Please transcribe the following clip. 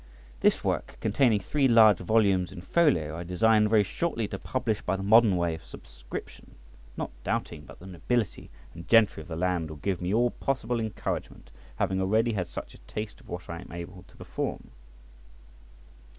This work, containing three large volumes in folio, I design very shortly to publish by the modern way of subscription, not doubting but the nobility and gentry of the land will give me all possible encouragement, having already had such a taste of what I am able to perform.